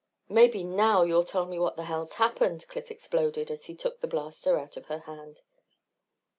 "Maybe now you'll tell me what in the hell's happened?" Cliff exploded as he took the blaster out of her hand.